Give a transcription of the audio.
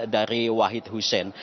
dari wahid husein